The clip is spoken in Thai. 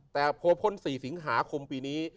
แต่พอพ้น๔สิงหาคมปีนี้